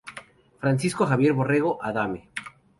Francisco Javier Borrego Adame.